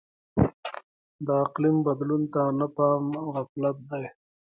د اقلیم بدلون ته نه پام غفلت دی.